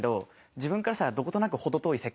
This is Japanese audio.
自分からしたらどことなく程遠い世界。